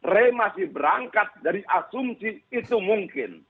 re masih berangkat dari asumsi itu mungkin